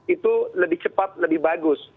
itu lebih cepat lebih bagus